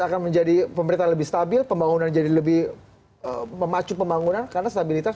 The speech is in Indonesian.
akan menjadi pemerintahan lebih stabil pembangunan jadi lebih memacu pembangunan karena stabilitas